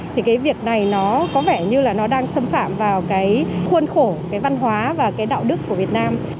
thì cái việc này nó có vẻ như là nó đang xâm phạm vào cái khuôn khổ cái văn hóa và cái đạo đức của việt nam